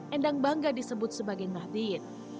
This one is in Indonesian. endang bangga disebut sebagai nahdiyin